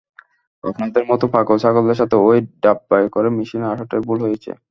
আপনাদের মতো পাগল ছাগলদের সাথে এই ডাব্বায় করে মিশনে আসাটাই ভুল হয়েছে!